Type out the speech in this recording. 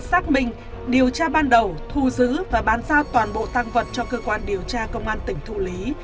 xác minh điều tra ban đầu thu giữ và bán giao toàn bộ tăng vật cho cơ quan điều tra công an tỉnh thụ lý